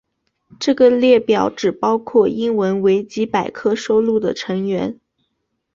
这个列表只包括英文维基百科收录的成员。